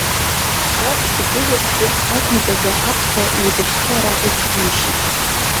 Ар игылазгьы азныказы аԥсуа еибашьцәа ракәыз џьишьеит.